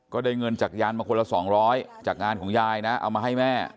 ได้เงินจากยานมาคนละ๒๐๐จากงานของยายนะเอามาให้แม่